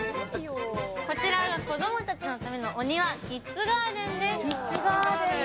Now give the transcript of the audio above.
こちらが子供たちのためのお庭、キッズガーデンです。